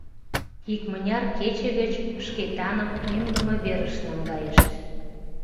Икмыняр кече гыч Шкетаным эмлыме верыш наҥгайышт.